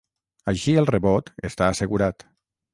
Així el rebot està assegurat.